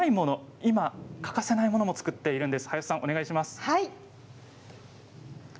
今欠かせないものも作っているんです。